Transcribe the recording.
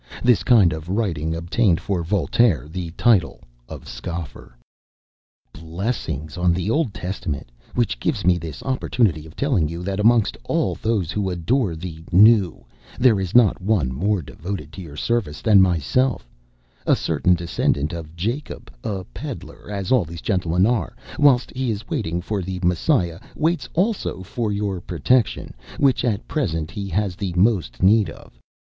This kind of writing obtained for Voltaire the title of "scoffer:" "Blessings on the Old Testament, which gives me this opportunity of telling you, that amongst all those who adore the New, there is not one more devoted to your service than myself, a certain descendant of Jacob, a pedlar, as all these gentlemen are, whilst he is waiting for the Messiah, waits also for your protection, which at present he has the most need of.